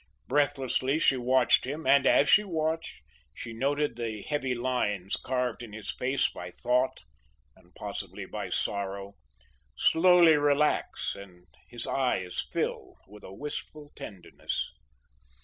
Breathlessly she watched him, and, as she watched, she noted the heavy lines carved in his face by thought and possibly by sorrow, slowly relax and his eyes fill with a wistful tenderness.